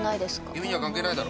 「君には関係ないだろ」